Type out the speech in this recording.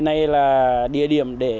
hôm nay là địa điểm để học